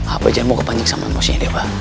abah jangan mau kepancing sama emosinya abah